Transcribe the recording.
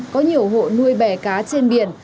có nhiều hộ nuôi bẻ cá trên biển